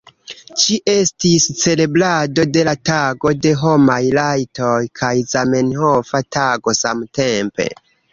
Ĝi estis celebrado de la Tago de Homaj Rajtoj kaj Zamenhofa Tago samtempe.